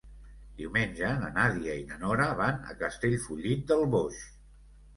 Diumenge na Nàdia i na Nora van a Castellfollit del Boix.